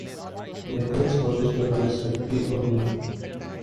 لیکن اس کوشش کے باعث فیکٹری اور میل